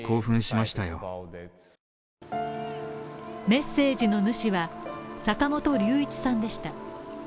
メッセージのぬしは、坂本龍一さんでした。